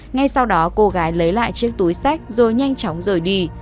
ngay sau đó cô gái lấy lại chiếc túi sách rồi nhanh chóng rời đi